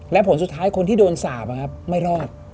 และผลสุดท้ายคนที่โดนสาปไม่รอด